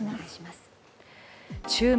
「注目！